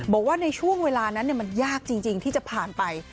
บอกว่าในช่วงเวลานั้นมันยากจริงที่จะผ่านไป